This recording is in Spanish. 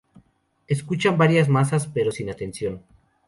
Escuchan varias masas, pero sin atención.